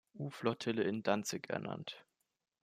U-Flottille in Danzig ernannt.